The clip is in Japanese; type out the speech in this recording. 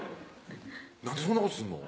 なんでそんなことすんの？